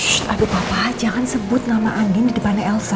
sh aduh papa jangan sebut nama andin di depan elsa